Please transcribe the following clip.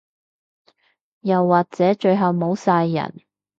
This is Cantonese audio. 又或者最後冇晒人